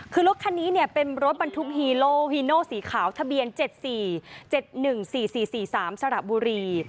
คือรถคันนี้เป็นรถบรรทุกฮีโร่ฮีโนสีขาวทะเบียน๗๔๗๑๔๔๔๓สระบุรี